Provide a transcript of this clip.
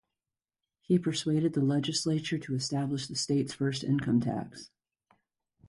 He persuaded the legislature to establish the state's first income tax.